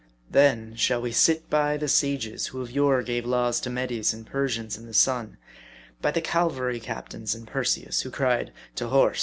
Then, shall we sit by the sages, who of yore gave laws to the Medes and Persians in the sun ; by the cavalry captains in Perseus, who cried, " To horse